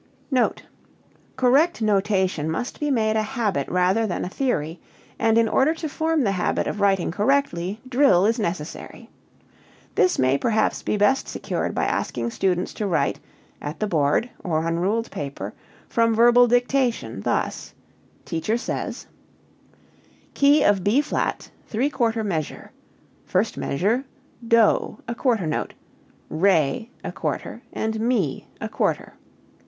5.] Note. Correct notation must be made a habit rather than a theory, and in order to form the habit of writing correctly, drill is necessary. This may perhaps be best secured by asking students to write (at the board or on ruled paper) from verbal dictation, thus: Teacher says, "Key of B[flat], three quarter measure: First measure, DO a quarter note, RE a quarter, and MI a quarter.